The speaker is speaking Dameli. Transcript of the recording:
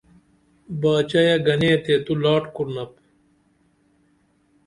باچائے گنے تے تو لاٹ کُرنپ